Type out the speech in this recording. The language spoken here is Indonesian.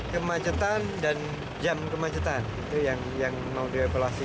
kemacetan dan jam kemacetan yang mau direvolasi